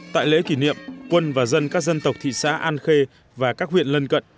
tại lễ kỷ niệm quân và dân các dân tộc thị xã an khê và các huyện lân cận